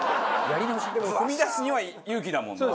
でも踏み出すには勇気だもんな。